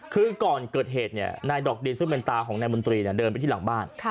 คือก่อนเกิดเหตุนายดอกดินซึ่งเป็นตาของนายมนตรีเดินไปที่หลังบ้าน